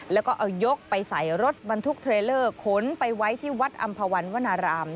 แล้วก็เอายกไปใส่รถบรรทุกเทรลเลอร์ขนไปไว้ที่วัดอำภาวันวนาราม